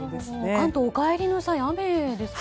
関東お帰りの際は雨ですかね。